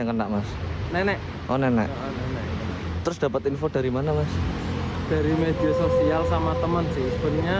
kena mas nenek oh nenek terus dapat info dari mana mas dari media sosial sama teman sih sebenarnya